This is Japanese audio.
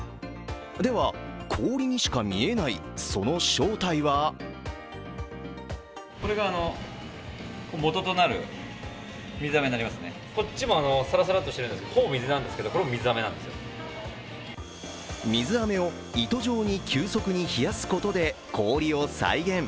では、氷にしか見えないその正体は水あめを糸状に急速に冷やすことで氷を再現。